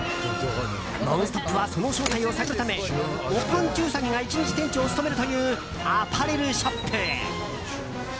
「ノンストップ！」はその正体を探るためおぱんちゅうさぎが１日店長を務めるというアパレルショップへ。